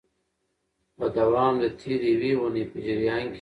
په دوام د تیري یوې اونۍ په جریان کي